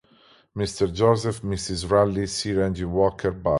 "Mrs Joseph", "Mrs Ralli", "Sir Andrew Walker, Bart.